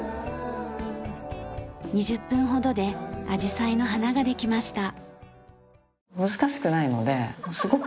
２０分ほどでアジサイの花ができました。